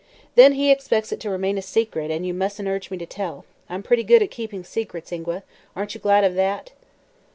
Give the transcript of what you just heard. "Then he expects it to remain a secret, and you mustn't urge me to tell. I'm pretty good at keeping secrets, Ingua. Aren't you glad of that?"